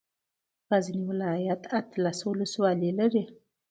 غزني ولايت اتلس ولسوالۍ لري.